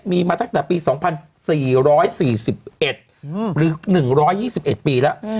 มีมาตั้งแต่ปี๒๔๔๑หรือ๑๒๑ปีแล้ว